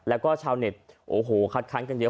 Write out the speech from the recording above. แล้วก็ชาวเน็ตโอ้โหคัดค้านกันเยอะ